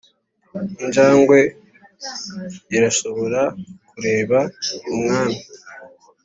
injangwe irashobora kureba umwami